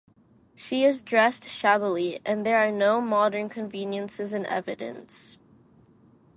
She is dressed shabbily, and there are no modern conveniences in evidence.